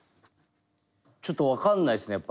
ちょっと分かんないっすねやっぱ。